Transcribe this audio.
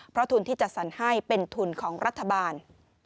เพราะทุนที่จัดสรรให้เป็นทุนของรัฐบาล